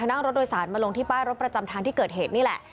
นั่งรถโดยสารมาลงที่ป้ายรถประจำทางที่เกิดเหตุนี่แหละ